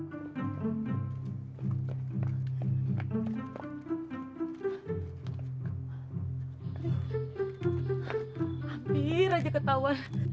hampir aja ketauan